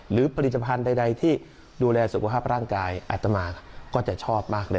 หรือผลิตภัณฑ์ใดที่ดูแลสุขภาพร่างกายอัตมาก็จะชอบมากเลย